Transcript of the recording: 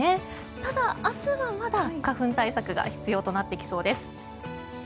ただ、明日はまだ花粉対策が必要となってきそうです。